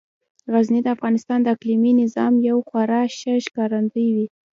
غزني د افغانستان د اقلیمي نظام یو خورا ښه ښکارندوی دی.